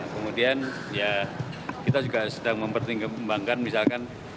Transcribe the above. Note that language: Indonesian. kemudian ya kita juga sedang mempertimbangkan misalkan